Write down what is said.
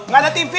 gak ada tv